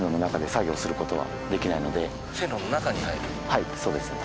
はいそうですね。